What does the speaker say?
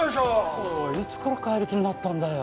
おいおいいつから怪力になったんだよ。